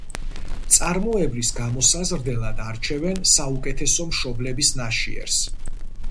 მწარმოებლის გამოსაზრდელად არჩევენ საუკეთესო მშობლების ნაშიერს.